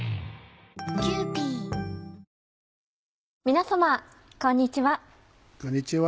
皆様こんにちは。